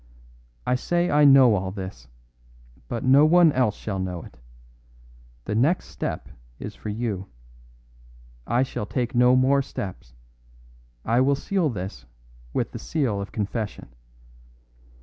I say I know all this; but no one else shall know it. The next step is for you; I shall take no more steps; I will seal this with the seal of confession.